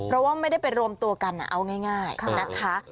เพราะว่าไม่ได้ไปรวมตัวกันเอาง่ายนะคะ